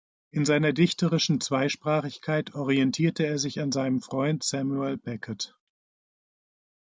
In seiner dichterischen Zweisprachigkeit orientierte er sich an seinem Freund Samuel Beckett.